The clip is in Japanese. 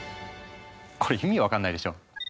これ意味分かんないでしょ？